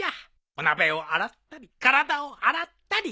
お鍋を洗ったり体を洗ったり。